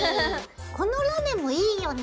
このラメもいいよね！